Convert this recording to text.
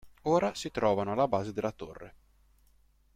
Ora si trovano alla base della torre.